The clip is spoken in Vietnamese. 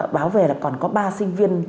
báo về là còn có ba sinh viên